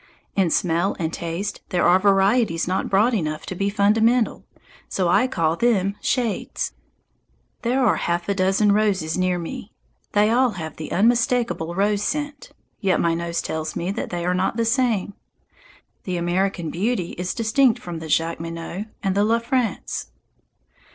In smell and taste there are varieties not broad enough to be fundamental; so I call them shades. There are half a dozen roses near me. They all have the unmistakable rose scent; yet my nose tells me that they are not the same. The American Beauty is distinct from the Jacqueminot and La France.